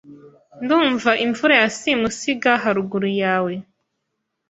Ndumva imvura ya simusiga haruguru yawe